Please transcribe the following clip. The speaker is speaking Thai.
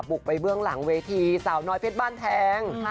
บุกไปเบื้องหลังเวทีสาวน้อยเพชรบ้านแทง